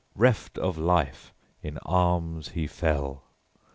Reft of life, in arms he fell.